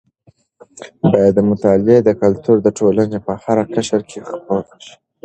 باید د مطالعې کلتور د ټولنې په هره قشر کې خپور شي.